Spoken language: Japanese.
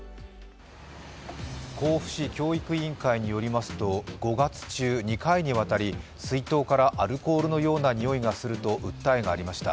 甲府市教育委員会によりますと５月中、２回にわたり水筒からアルコールのようなにおいがすると訴えがありました。